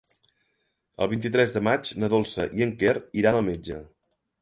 El vint-i-tres de maig na Dolça i en Quer iran al metge.